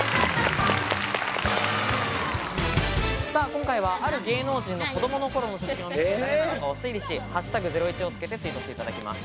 今回は、ある芸能人の子供の頃の写真を見て誰なのかを推理し「＃ゼロイチ」をつけてツイートしていただきます。